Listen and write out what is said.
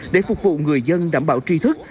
để phục vụ người dân đảm bảo tri thức